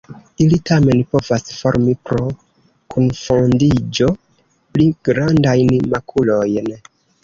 Ili tamen povas formi pro kunfandiĝo pli grandajn makulojn.